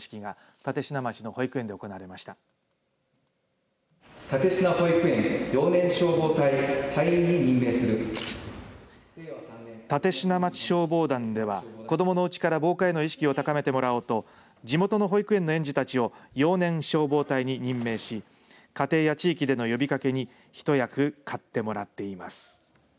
立科町消防団では子どものうちから防火への意識を高めてもらおうと地元の保育園の園児たちを幼年消防隊に任命し、家庭や地域での呼びかけに一役買ってもらっています。